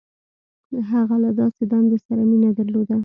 • هغه له داسې دندې سره مینه نهدرلوده.